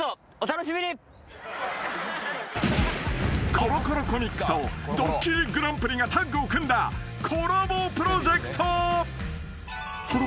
［『コロコロコミック』と『ドッキリＧＰ』がタッグを組んだコラボプロジェクト］